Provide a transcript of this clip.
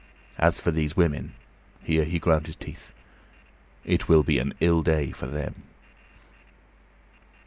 As for these women" here he ground his teeth "it will be an ill day for them!"